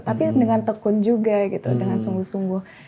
tapi dengan tekun juga gitu dengan sungguh sungguh